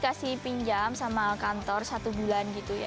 cuma dikasih pinjam sama kantor satu bulan gitu ya